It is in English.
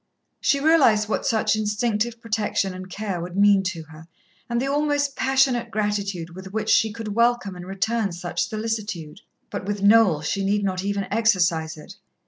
She realized what such instinctive protection and care would mean to her, and the almost passionate gratitude with which she could welcome and return such solicitude. But with Noel, she need not even exercise it.